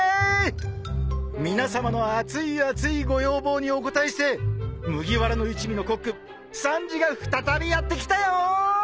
皆さまの熱い熱いご要望にお応えして麦わらの一味のコックサンジが再びやって来たよ！